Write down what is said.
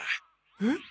えっ？